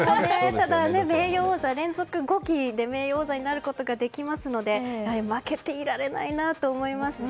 ただ、連続５期で名誉王座はなることができますので負けていられないなと思いますし